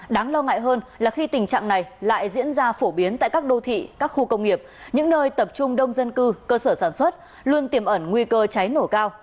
đáng lo ngại hơn là khi tình trạng này lại diễn ra phổ biến tại các đô thị các khu công nghiệp những nơi tập trung đông dân cư cơ sở sản xuất luôn tiềm ẩn nguy cơ cháy nổ cao